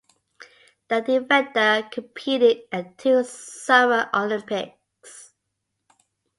The defender competed at two Summer Olympics.